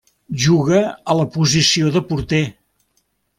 Juga a la posició de porter.